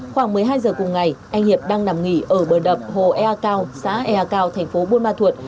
khoảng một mươi hai giờ cùng ngày anh hiệp đang nằm nghỉ ở bờ đập hồ ea cao xã ea cao thành phố buôn ma thuột